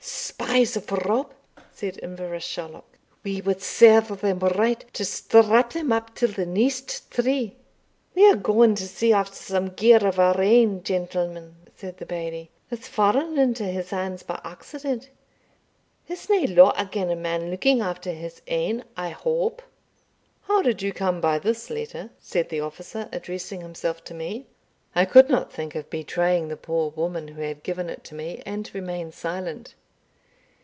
"Spies of Rob!" said Inverashalloch. "We wad serve them right to strap them up till the neist tree." "We are gaun to see after some gear o' our ain, gentlemen," said the Bailie, "that's fa'en into his hands by accident there's nae law agane a man looking after his ain, I hope?" "How did you come by this letter?" said the officer, addressing himself to me. I could not think of betraying the poor woman who had given it to me, and remained silent.